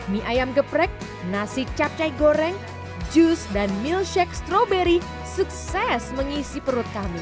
mie ayam geprek nasi capcai goreng jus dan milshake strawberry sukses mengisi perut kami